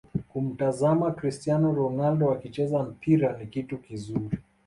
Kumtazama Crstiano Ronaldo akicheza mpira ni kitu kizuri